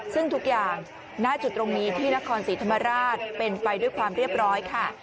ซึ่งทุกอย่างหน้าจุดตรงนี้ที่นครศรีธรรมราชเป็นไปด้วยความเรียบร้อยค่ะ